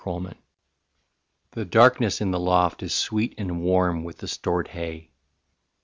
IN THE HAY LOFT. The darkness in the loft is sweet and warm With the stored hay